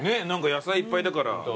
野菜いっぱいだから。